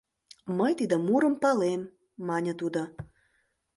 — Мый тиде мурым палем, — мане тудо.